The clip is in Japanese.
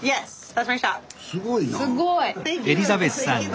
すごいな。